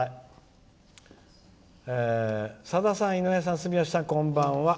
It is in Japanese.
「さださん、井上さん住吉さん、こんばんは。